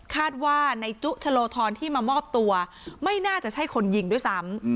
คาดว่าในจุชะโลธรที่มามอบตัวไม่น่าจะใช่คนยิงด้วยซ้ำ